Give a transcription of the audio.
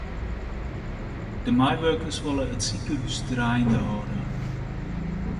De meiwurkers wolle it sikehús draaiende hâlde.